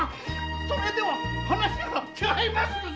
それでは話が違いますぞ！